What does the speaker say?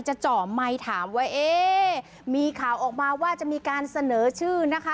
เจาะไมค์ถามว่าเอ๊ะมีข่าวออกมาว่าจะมีการเสนอชื่อนะคะ